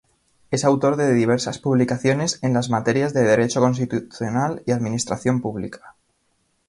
Es autor de diversas publicaciones en las materias de Derecho Constitucional y Administración Pública.